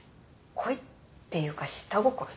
恋っていうか下心です。